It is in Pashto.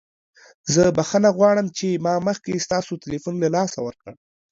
زه بخښنه غواړم چې ما مخکې ستاسو تلیفون له لاسه ورکړ.